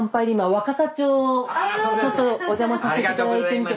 ちょっとお邪魔させて頂いていて。